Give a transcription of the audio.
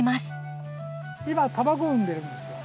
今卵産んでるんですよ。